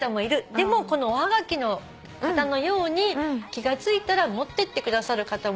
でもおはがきの方のように気が付いたら持ってってくださる方もいる。